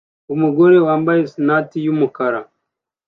Umugore wambaye sunhat yumukara